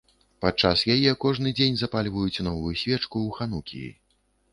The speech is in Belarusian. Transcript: Падчас яе кожны дзень запальваюць новую свечку ў ханукіі.